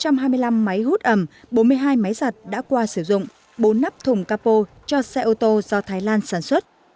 trên xe chở bốn trăm hai mươi năm máy hút ẩm bốn mươi hai máy giặt đã qua sử dụng bốn nắp thùng capo cho xe ô tô do thái lan sản xuất